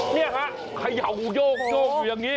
นี่ค่ะขยัวยกอยู่อย่างนี้